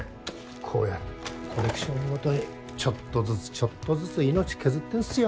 こうやってコレクションごとにちょっとずつちょっとずつ命削ってんすよ